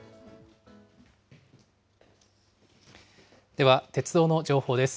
では、鉄道の情報です。